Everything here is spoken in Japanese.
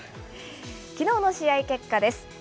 きのうの試合結果です。